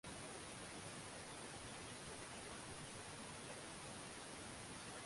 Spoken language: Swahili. ika bunge la jamhuri ya muungano wa tanzania unaweza ukasemaje